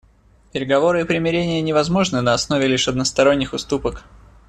Переговоры и примирение невозможны на основе лишь односторонних уступок.